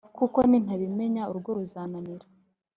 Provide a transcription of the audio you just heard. kuko nintabimenya urugo ruzananira.